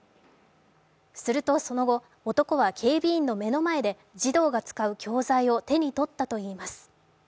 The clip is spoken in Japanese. すると、その後、男は警備員の目の前で児童が使う教材を手に取ったといいます。